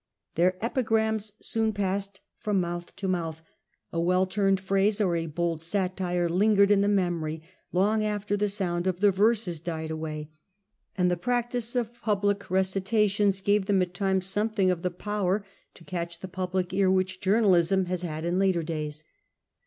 Their epigrams soon passed from mouth to mouth ; a well turned phrase or a bold satire lingered in the memory long after the sound of the verses died away; and the practice of public recitations gave them at times something of the power to catch the — A.D. 14 Augustus. 2 J public ear which journalism has had in later days.